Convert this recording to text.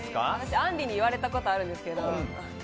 あんりに言われたことがあるんですけれど。